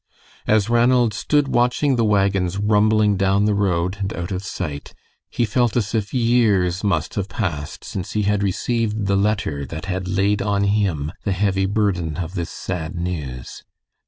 As Ranald stood watching the wagons rumbling down the road and out of sight, he felt as if years must have passed since he had received the letter that had laid on him the heavy burden of this sad news.